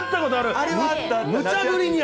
あれは。